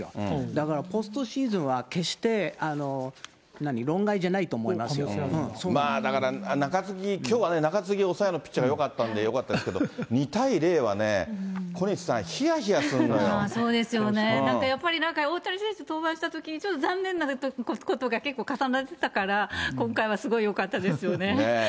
だからポストシーズンは、だから中継ぎ、きょうは中継ぎ、抑えのピッチャーがよかったんでよかったですけれども、２対０はそうですよね、なんかやっぱり、大谷選手登板したとき、ちょっと残念なことが結構重なってたから、今回はすごいよかったですよね。